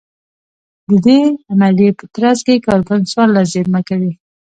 د دې عملیې په ترڅ کې کاربن څوارلس زېرمه کوي